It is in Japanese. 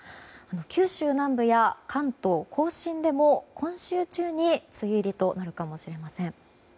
九州南部や関東・甲信でも今週中に梅雨入りとなるかもしれません。